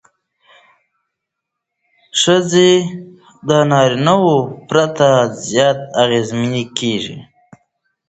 ښځې د نارینه وو پرتله زیات اغېزمنې کېږي.